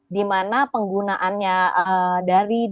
di mana penggunaannya dari